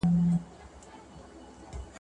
چي یې وکتل په غشي کي شهپر وو .